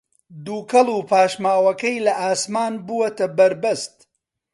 دووکەڵ و پاشماوەکەی لە ئاسمان بووەتە بەربەست